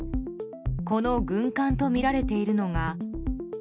この軍艦とみられているのが。